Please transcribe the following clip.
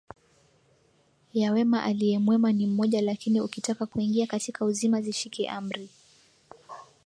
ya wema Aliye mwema ni mmoja Lakini ukitaka kuingia katika uzima zishike amri